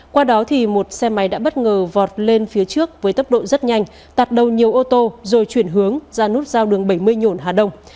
qua đó thì một xe máy đã bất ngờ vọt lên phía trước với tốc độ rất nhanh tạt đầu nhiều ô tô rồi chuyển hướng ra nút giao đường bảy mươi nhộn hà đông